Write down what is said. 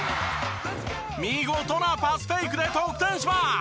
見事なパスフェイクで得点します。